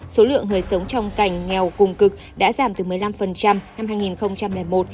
số lượng người sống trong cảnh nghèo cùng cực đã giảm từ một mươi năm năm hai nghìn một